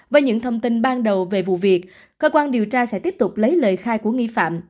với những thông tin ban đầu về vụ việc cơ quan điều tra sẽ tiếp tục lấy lời khai của nghi phạm